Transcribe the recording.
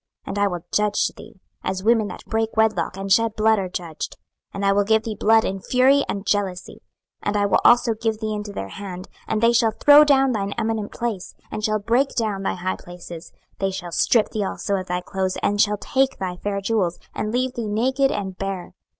26:016:038 And I will judge thee, as women that break wedlock and shed blood are judged; and I will give thee blood in fury and jealousy. 26:016:039 And I will also give thee into their hand, and they shall throw down thine eminent place, and shall break down thy high places: they shall strip thee also of thy clothes, and shall take thy fair jewels, and leave thee naked and bare.